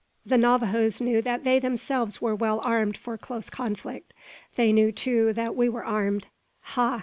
The Navajoes knew that they themselves were well armed for close conflict. They knew, too, that we were armed. Ha!